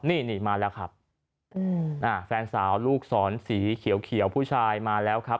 นี่นี่มาแล้วครับแฟนสาวลูกศรสีเขียวเขียวผู้ชายมาแล้วครับ